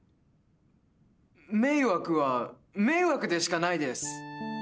「迷惑」は「迷惑」でしかないです。